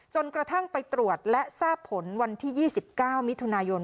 จนกระทั่งไปตรวจและทราบผลวันที่๒๙มิถุนายน